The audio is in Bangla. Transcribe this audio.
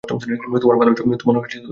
তোমার ভালোর জন্যই বলছি।